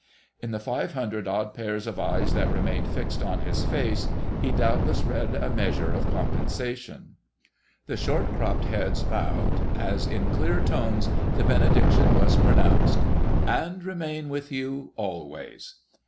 in the five hundred odd pairs of eyes that remained fixed on his face he doubtless read a measure of compensation. The short cropped heads bowed as in clear tones the Benediction was pronounced— "... and remain with you ... always."